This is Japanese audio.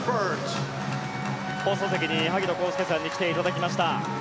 放送席に萩野公介さんに来ていただきました。